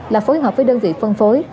là phối hợp với đơn vị phân phối